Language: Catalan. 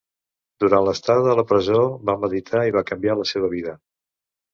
Durant l'estada a la presó, va meditar i va canviar la seva vida.